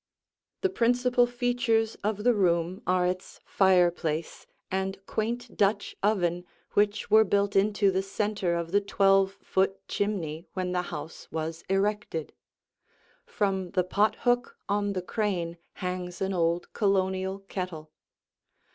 The principal features of the room are its fireplace and quaint Dutch oven which were built into the center of the twelve foot chimney when the house was erected. From the pothook on the crane hangs an old Colonial kettle.